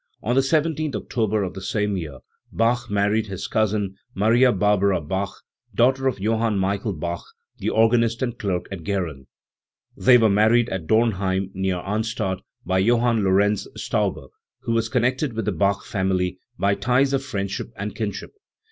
On the I7th October of the same year Bach married his cousin Maria Barbara Bach, daughter of Job ami Michael Bach, the organist and clerk at Gehren. They were married at Dornheim, near Arnstadt, by Johann Lorenz Stauber, who was connected with the Bach family by ties of friendship and kinship.